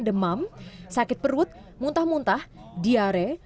demam sakit perut muntah muntah diare